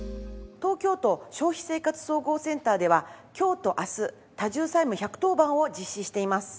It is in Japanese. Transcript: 東京都消費生活総合センターでは今日と明日多重債務１１０番を実施しています。